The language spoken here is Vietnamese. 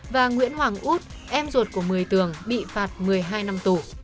và nguyễn hoàng út em ruột của một mươi tường bị phạt một mươi hai năm tù